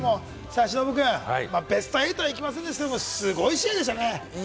忍君、ベスト８は行きませんでしたけれど、すごい試合でしたね。